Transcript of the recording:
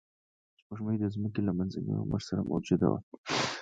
سپوږمۍ د ځمکې له منځني عمر سره موجوده وه